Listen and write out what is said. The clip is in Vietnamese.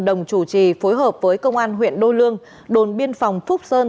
đồng chủ trì phối hợp với công an huyện đô lương đồn biên phòng phúc sơn